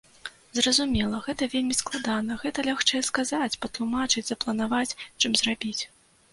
Зразумела, гэта вельмі складана, гэта лягчэй сказаць, патлумачыць, запланаваць, чым зрабіць.